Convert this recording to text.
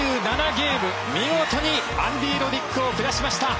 ゲーム見事にアンディ・ロディックを下しました。